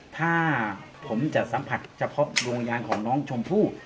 ถ้าผมจะสัมผัสเฉพาะดวงวิญญาณของน้องชมพู่